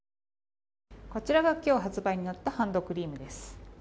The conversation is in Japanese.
こちらが今日発売になったハンドクリームです。